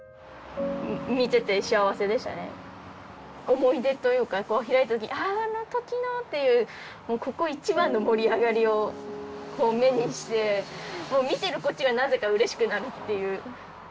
思い出というか開いた時に「ああの時の！」っていうここ一番の盛り上がりを目にして見てるこっちがなぜかうれしくなるっていう。